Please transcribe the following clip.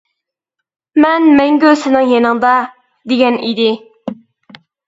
مەن مەڭگۈ سېنىڭ يېنىڭدا، دېگەن ئىدى.